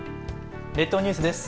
列島ニュースです。